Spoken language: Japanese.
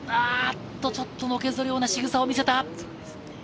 ちょっとのけぞるようなしぐさを見せた。